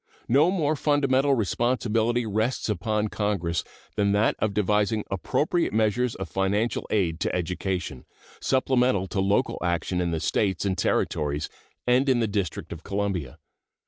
No more fundamental responsibility rests upon Congress than that of devising appropriate measures of financial aid to education, supplemental to local action in the States and Territories and in the District of Columbia.